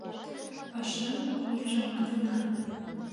Пашам меже моктена: